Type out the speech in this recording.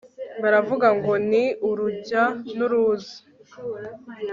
baravuga ngo ni urujya n'uruza